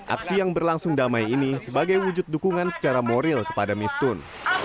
aksi yang berlangsung damai ini sebagai wujud dukungan secara moral kepada mistun